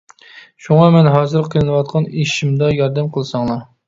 شۇڭا مەن ھازىر قىينىلىۋاتقان ئىشىمدا ياردەم قىلساڭلار.